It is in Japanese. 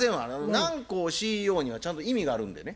南光ＣＥＯにはちゃんと意味があるんでね。